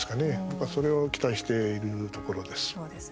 僕は、それを期待しているところです。